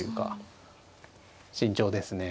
慎重ですね。